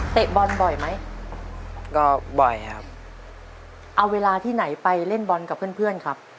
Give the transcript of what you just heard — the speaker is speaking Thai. บอลบ่อยไหมก็บ่อยครับเอาเวลาที่ไหนไปเล่นบอลกับเพื่อนเพื่อนครับ